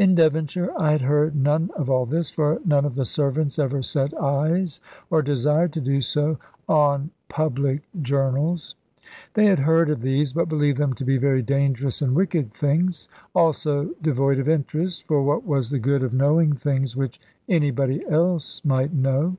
In Devonshire, I had heard none of all this, for none of the servants ever set eyes, or desired to do so, on "public journals." They had heard of these, but believed them to be very dangerous and wicked things; also devoid of interest, for what was the good of knowing things which anybody else might know?